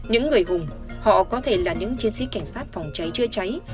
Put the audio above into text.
những người hùng họ có thể là những chiến sĩ cảnh sát phòng cháy chữa cháy